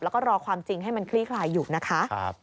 แล้วก็รอความจริงให้มันคลี่คลายอยู่นะคะ